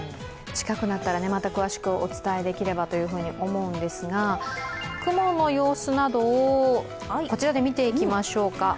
近くなったらまた詳しくお伝えできればと思うんですが、雲の様子などをこちらで見ていきましょうか。